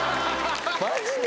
マジで？